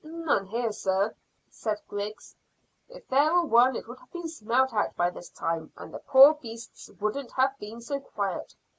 "None here, sir," said Griggs. "If there were one it would have been smelt out by this time, and the poor beasts wouldn't have been so quiet.